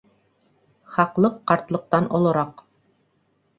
Хаҡлыҡ ҡартлыҡтан олораҡ.